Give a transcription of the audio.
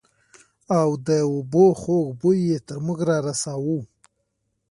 او د اوبو خوږ بوى يې تر موږ رارساوه.